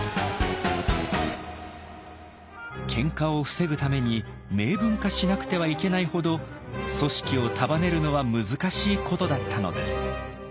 喧嘩を防ぐために明文化しなくてはいけないほど組織を束ねるのは難しいことだったのです。